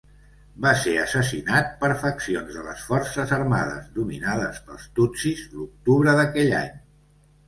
Va ser assassinat per faccions de les Forces Armades, dominades pels Tutsis, l'octubre d'aquell any.